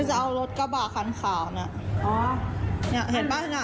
คนจะเอารถกระบาคคันขาวน่ะ